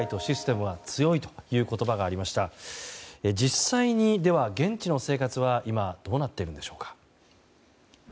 では実際に、現地の生活は今どうなっているんでしょうか。